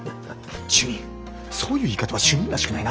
主任そういう言い方は主任らしくないな。